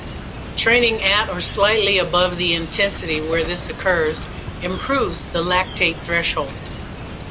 Training at or slightly above the intensity where this occurs improves the lactate threshold.